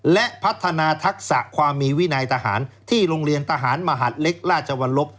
และพัฒนาทักษะความมีวินัยทหารที่โรงเรียนทหารมหาดเล็กราชวรรลบ